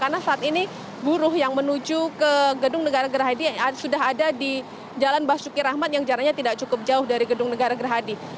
karena saat ini buruh yang menuju ke gedung negara gerah hadi sudah ada di jalan basuki rahmat yang jarangnya tidak cukup jauh dari gedung negara gerah hadi